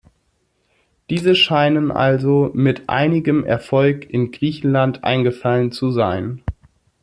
Diese scheinen also mit einigem Erfolg in Griechenland eingefallen zu sein.